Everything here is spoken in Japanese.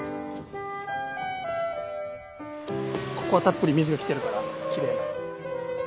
ここはたっぷり水がきてるからきれい。